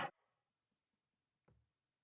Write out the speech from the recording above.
น้องโรย